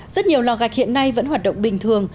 rất nhiều lò gạch hiện nay vẫn hoạt động bình thường